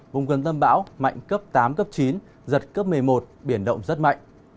vùng gần tâm bão mạnh cấp tám cấp chín giật cấp một mươi một biển động rất mạnh